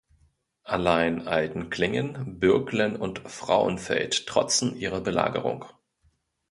Allein Altenklingen, Bürglen und Frauenfeld trotzen ihrer Belagerung.